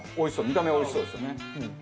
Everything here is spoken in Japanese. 見た目はおいしそうですよね。